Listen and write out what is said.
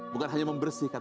bukan hanya membersihkan